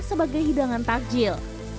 sebagai hidangan takjil